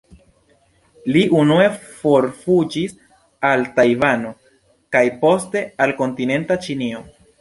Li unue forfuĝis al Tajvano kaj poste al kontinenta Ĉinio.